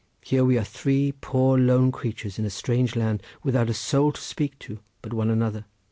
Here we are three poor lone creatures in a strange land, without a soul to speak to but one another.